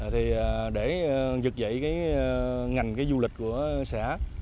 thì để dịch dậy cái ngành cái du lịch của xã